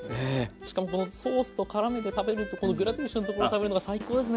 しかもこのソースと絡めて食べるとこのグラデーションとこう食べるのが最高ですね。